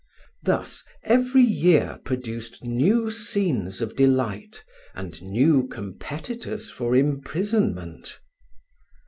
Thus every year produced new scenes of delight, and new competitors for imprisonment.